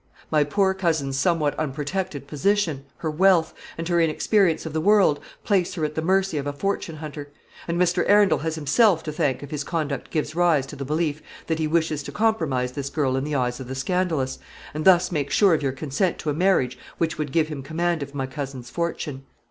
My poor cousin's somewhat unprotected position, her wealth, and her inexperience of the world, place her at the mercy of a fortune hunter; and Mr. Arundel has himself to thank if his conduct gives rise to the belief that he wishes to compromise this girl in the eyes of the scandalous, and thus make sure of your consent to a marriage which would give him command of my cousin's fortune."